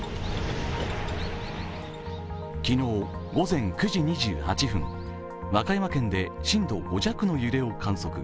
昨日、午前９時２８分和歌山県で震度５弱の揺れを観測。